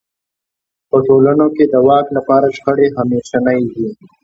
په ټولنو کې د واک لپاره شخړې همېشنۍ دي.